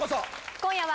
今夜は。